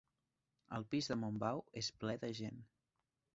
El pis de Montbau és ple de gent.